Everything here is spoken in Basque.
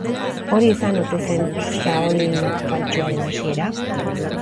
Hori izan ote zen shaolin faltsuaren hasiera?